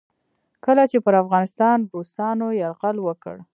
کله چې پر افغانستان روسانو یرغل وکړ.